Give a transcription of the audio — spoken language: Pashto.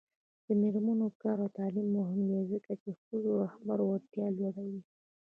د میرمنو کار او تعلیم مهم دی ځکه چې ښځو رهبري وړتیا لوړوي